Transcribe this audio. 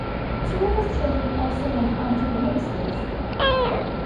Two of his children also went on to be ministers.